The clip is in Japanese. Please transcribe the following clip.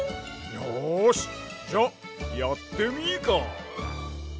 よしじゃやってみーか！